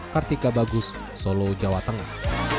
kartika bagus solo jawa tengah